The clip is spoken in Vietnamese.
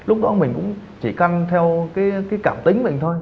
lúc đó mình cũng chỉ căng theo cái cảm tính mình thôi